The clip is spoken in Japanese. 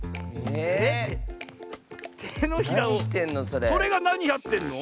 それがなにやってんの？